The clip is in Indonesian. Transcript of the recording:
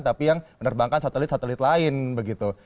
tapi yang menerbangkan satelit satelit lain begitu